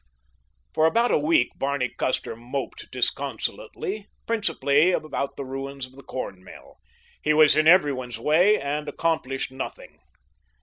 For about a week Barney Custer moped disconsolately, principally about the ruins of the corn mill. He was in everyone's way and accomplished nothing.